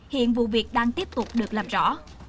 hiện vụ việc đang tiếp tục được làm rõ